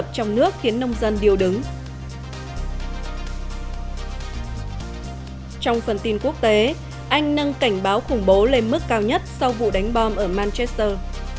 trong phần tin quốc tế anh nâng cảnh báo khủng bố lên mức cao nhất sau vụ đánh bom ở manchester